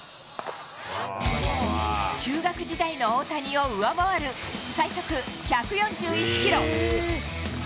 中学時代の大谷を上回る、最速１４１キロ。